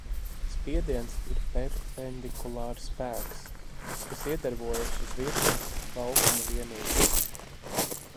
Spiediens ir perpendikulārs spēks, kas iedarbojas uz virsmas laukuma vienību.